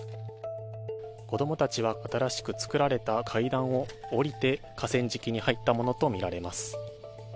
子供たちは新しく造られた階段を降りて河川敷に入ったものとみられます。